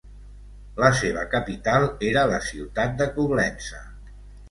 La seva capital era la ciutat de Coblença.